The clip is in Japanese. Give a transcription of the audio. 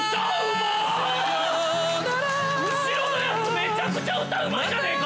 めちゃくちゃ歌うまいじゃねえか！